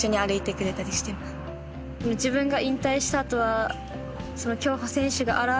自分が。